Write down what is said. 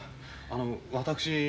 あの私。